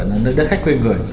nơi đất khách khuyên người